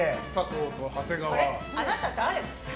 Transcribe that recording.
あなた、誰？